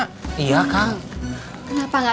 kita jadi takut kalau penculik berkeliaran di mana mana